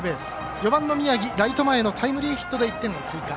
４番の宮城、ライト前のタイムリーヒットで１点を追加。